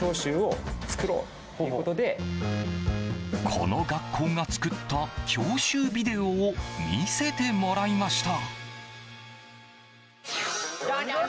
この学校が作った教習ビデオを見せてもらいました。